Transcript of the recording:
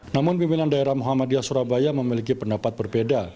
namun pimpinan daerah muhammadiyah surabaya memiliki pendapat berbeda